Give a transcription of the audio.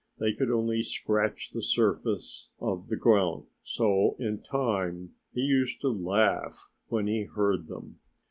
They could only scratch the surface of the ground. So, in time, he used to laugh when he heard them.